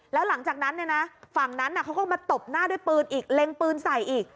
แล้วหลังจากนั้นฝั่งนั้นเขาก็มาตบหน้าด้วยปืนอีกเล็งปืนใส่อีก